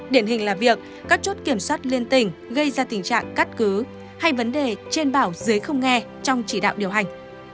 điển hình là việc các chốt kiểm soát liên tình gây ra tình trạng cắt cứ hay vấn đề trên bảo dưới không nghe trong chỉ đạo điều hành